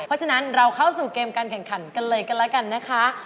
เพราะฉะนั้นเราเข้าสู่เกมการแข่งขันกันเลยกันแล้วกันนะคะ